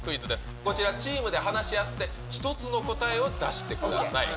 こちら、チームで話し合って、１つの答えを出してください。